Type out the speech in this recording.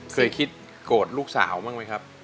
เคยคิดโกรธลูกสาวบ้างไหมครับ